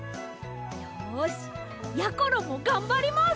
よしやころもがんばります！